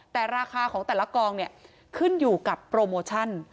แต่ราคาของแต่ละกองเนี่ยขึ้นอยู่กับโปรโมชั่น